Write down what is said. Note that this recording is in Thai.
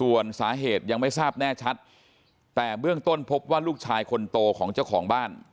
ส่วนสาเหตุยังไม่ทราบแน่ชัดแต่เบื้องต้นพบว่าลูกชายคนโตของเจ้าของบ้าน